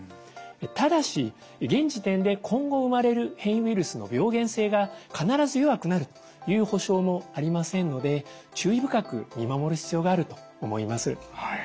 ただし現時点で今後生まれる変異ウイルスの病原性が必ず弱くなるという保証もありませんので注意深く見守る必要があると思います。